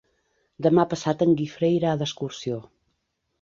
Demà passat en Guifré irà d'excursió.